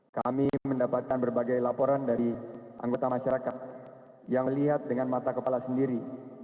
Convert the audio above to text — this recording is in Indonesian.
kami mendapatkan berbagai laporan dari anggota masyarakat yang melihat dengan mata kepala sendiri